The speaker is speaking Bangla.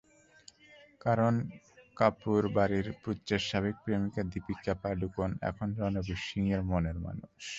কারণ, কাপুর-বাড়ির পুত্রের সাবেক প্রেমিকা দীপিকা পাড়ুকোন এখন রণবীর সিংয়ের মনের মানুষ।